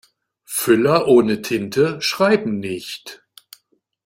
Füller ohne Tinte schreiben nicht.